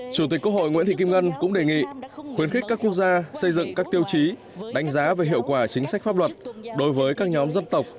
chủ tịch quốc hội nguyễn thị kim ngân cũng đề nghị khuyến khích các quốc gia xây dựng các tiêu chí đánh giá về hiệu quả chính sách pháp luật đối với các nhóm dân tộc